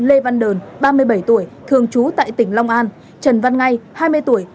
lê văn đờn ba mươi bảy tuổi thường trú tại tỉnh long an trần văn ngay hai mươi tuổi